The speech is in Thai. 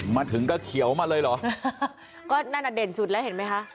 มาถึงก็เขียวมาเลยเหรอก็นั่นอ่ะเด่นสุดแล้วเห็นไหมคะ